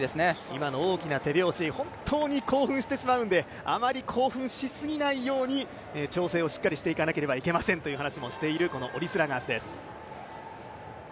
今の大きな手拍子、本当に興奮してしまうのであまり興奮しすぎないように調整をしっかりしていかなければなりませんと話もしているオリスラガースです。